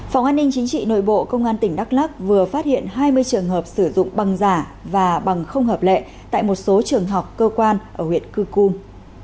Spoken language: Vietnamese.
phòng an ninh chính trị nội bộ công an tỉnh đắk lắc vừa phát hiện hai mươi trường hợp sử dụng bằng giả và bằng không hợp lệ tại một số trường học cơ quan ở huyện cư cum